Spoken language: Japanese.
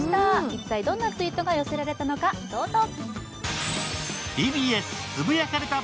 一体どんなツイートが寄せられたのか、どうぞ。